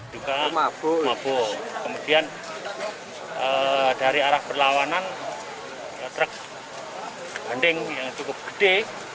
juga mabuk mabuk kemudian dari arah berlawanan truk banding yang cukup gede